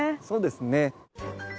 そうですね。